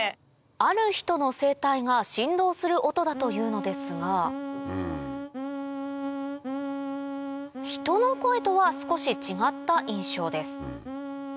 ある人の声帯が振動する音だというのですが人の声とは少し違った印象です